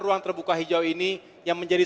ruang terbuka hijau ini yang menjadi